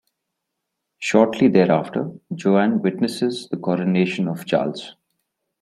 Shortly thereafter, Joan witnesses the coronation of Charles.